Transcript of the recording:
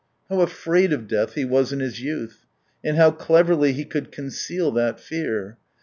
How afraid of death he was in his youth And how cleverly he could conceal that fear.